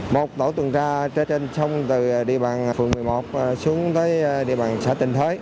một tổ tuần tra trên sông từ địa bàn phường một mươi một xuống tới địa bàn xã tình thới